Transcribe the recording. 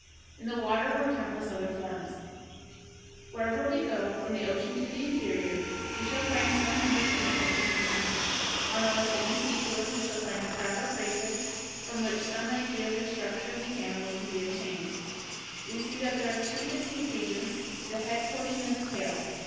In the water were countless other forms. [Illustration: FIG. 128. The Norway lobster, showing jointed structure.] Wherever we go, from the ocean to the interior, we shall find some members of this interesting family. On almost any seashore we shall find a crab or crayfish, from which some idea of the structure of these animals can be obtained (Fig. 129). We see that there are two distinct regions, the head portion and the tail.